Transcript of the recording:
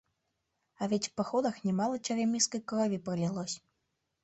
А ведь в походах немало черемисской крови пролилось...